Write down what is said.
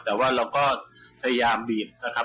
แต่ว่าเราก็พยายามบีบนะครับ